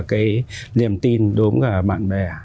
cái niềm tin đối với bạn bè